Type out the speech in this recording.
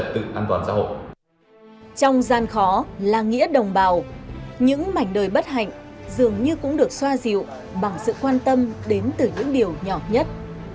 trong gian khó là nghĩa đồng bào những mảnh đời bất hạnh dường như cũng được xoa dịu bằng sự quan tâm đến từ những điều nhỏ nhất